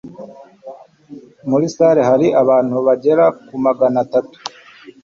Muri salle hari abantu bagera kuri magana atatu